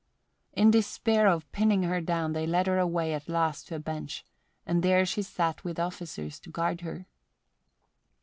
In despair of pinning her down, they led her away at last to a bench and there she sat with officers to guard her.